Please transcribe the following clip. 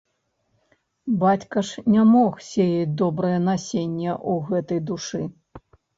Бацька ж не мог сеяць добрае насенне ў гэтай душы.